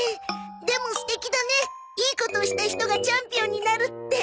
でも素敵だねいいことをした人がチャンピオンになるって。